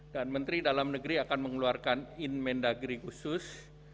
dan menteri dalam negeri akan mengeluarkan in mendagri khusus